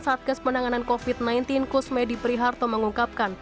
saat kes penanganan covid sembilan belas kusmedi priharto mengungkapkan